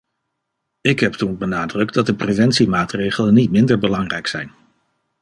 Ik heb toen benadrukt dat de preventiemaatregelen niet minder belangrijk zijn.